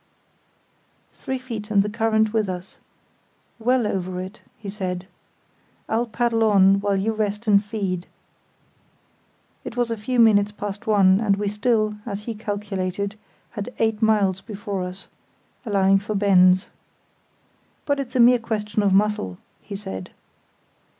"Three feet and the current with us. Well over it," he said. "I'll paddle on while you rest and feed." It was a few minutes past one and we still, as he calculated, had eight miles before us, allowing for bends. "But it's a mere question of muscle," he said.